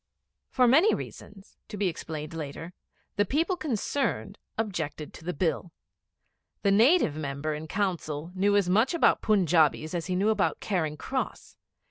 For many reasons, to be explained later, the people concerned objected to the Bill. The Native Member in Council knew as much about Punjabis as he knew about Charing Cross.